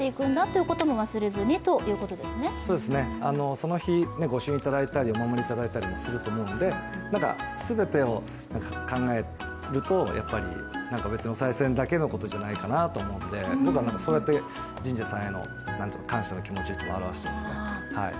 その日、ご朱印をいただいたり、お守りをいただいたりするので、全てを考えると、別におさい銭だけのことじゃないかなと思うので僕はそうやって神社さんへの感謝の気持ちをあらわしてますね。